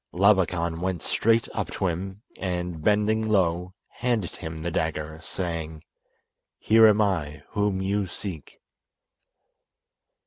Labakan went straight up to him, and, bending low, handed him the dagger, saying: "Here am I whom you seek."